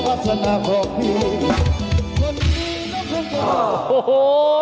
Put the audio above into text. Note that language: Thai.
โอ้โฮ